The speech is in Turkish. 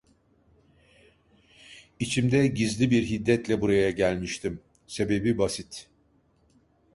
İçimde gizli bir hiddetle buraya gelmiştim, sebebi basit: